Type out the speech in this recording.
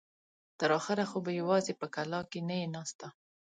تر اخره خو به يواځې په کلاکې نه يې ناسته.